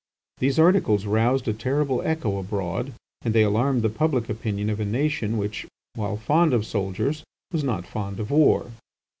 These articles roused a terrible echo abroad, and they alarmed the public opinion of a nation which, while fond of soldiers, was not fond of war.